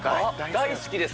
大好きですか。